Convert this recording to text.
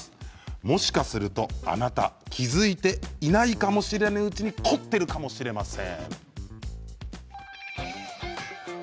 もしかすると、あなた気付いていないうちに凝っているかもしれません。